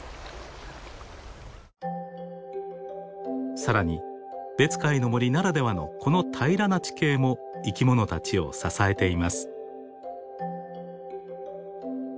更に別海の森ならではのこの平らな地形も生き物たちを支えています。